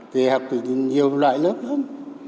thì học thì nhiều loại lớp lắm